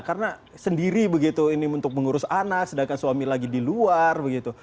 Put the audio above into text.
karena sendiri begitu ini untuk mengurus anak sedangkan suami lagi di luar begitu